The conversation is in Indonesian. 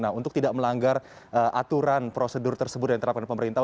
nah untuk tidak melanggar aturan prosedur tersebut yang terapkan pemerintah